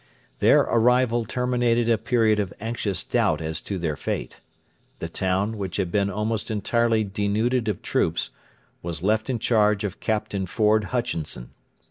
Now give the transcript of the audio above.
Their arrival terminated a period of anxious doubt as to their fate. The town, which had been almost entirely denuded of troops, was left in charge of Captain Ford Hutchinson.